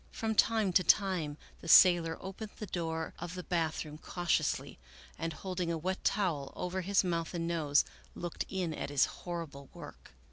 From time to time the sailor opened the door of the bathroom cautiously, and, holding a wet towel over his mouth and nose, looked in at his horrible work.